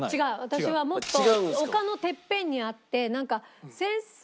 私はもっと丘のてっぺんにあってなんか戦争？